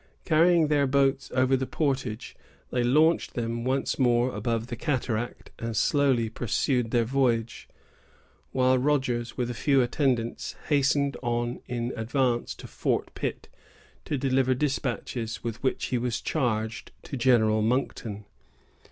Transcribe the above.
Carrying their boats over the portage, they launched them once more above the cataract, and slowly pursued their voyage; while Rogers, with a few attendants, hastened on in advance to Fort Pitt, to deliver despatches, with which he was charged, to General Monkton.